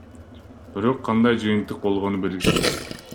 Бирок кандай жыйынтык болгону белгисиз.